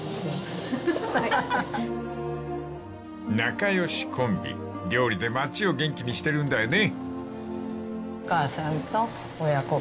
［仲良しコンビ料理で町を元気にしてるんだよね！］